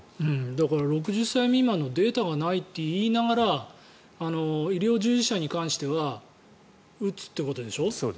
だから６０歳未満のデータがないと言いながら医療従事者に関しては打つということでしょ。